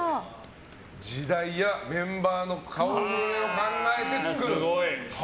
時代やメンバーの顔ぶれを考えて作る。